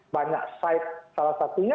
banyak side salah satunya